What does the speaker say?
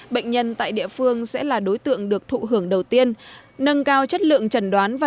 bệnh nhân tại địa phương sẽ là đối tượng được thụ hưởng đầu tiên nâng cao chất lượng trần đoán và